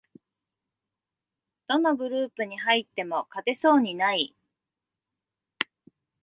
どのグループに入っても勝てそうにない